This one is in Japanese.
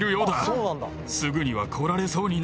すぐには来られそうにない。